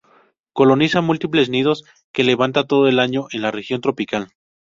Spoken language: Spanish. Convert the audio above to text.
Coloniza múltiples nidos, que levanta todo el año en la región tropical.